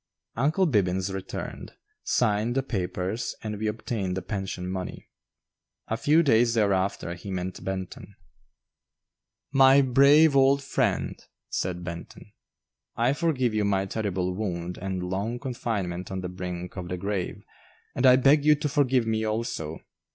"Uncle Bibbins" returned, signed the papers, and we obtained the pension money. A few days thereafter he met Benton. "My brave old friend," said Benton, "I forgive you my terrible wound and long confinement on the brink of the grave, and I beg you to forgive me also.